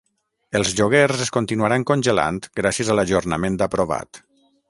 Els lloguers es continuaran congelant gràcies a l'ajornament aprovat